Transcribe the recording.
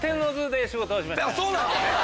そうなんすね！